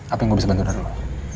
apa yang gue bisa bantu dari lo